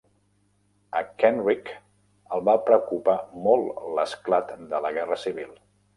A Kenrick el va preocupar molt l'esclat de la Guerra Civil.